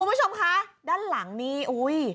คุณผู้ชมคะด้านหลังนี้อุ้ย